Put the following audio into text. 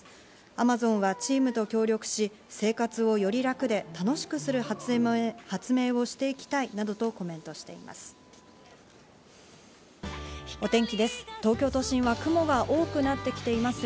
アマゾンは、チームと協力し、生活をより楽で楽しくする発明をしていきたいなどとコメントしています。